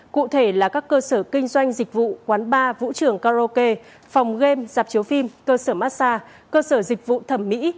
cụ thể là các cơ sở kinh doanh dịch vụ quán bar vũ trường karaoke phòng game dạp chiếu phim cơ sở massage cơ sở dịch vụ thẩm mỹ